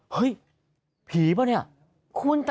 เฮ้ยผีป่ะเนี่ย